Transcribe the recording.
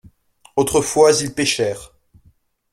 Autrefois ils pêchèrent.